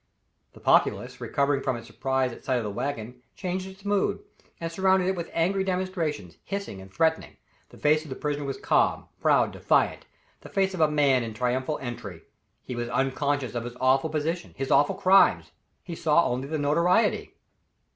The populace, recovering from its surprise at sight of the wagon, changed its mood, and surrounded it with angry demonstrations, hissing and threatening. The face of the prisoner was calm, proud, defiant the face of a man in triumphal entry. He was unconscious of his awful position, his awful crimes. He saw only the notoriety.